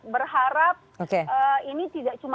berharap ini tidak cuma